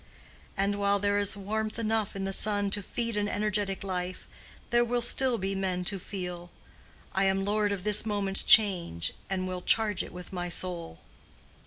And while there is warmth enough in the sun to feed an energetic life, there will still be men to feel, "I am lord of this moment's change, and will charge it with my soul."